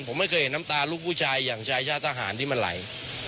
ผมไม่เคยเห็นน้ำตาลูกผู้ชายอย่างชายชาติทหารที่มันไหล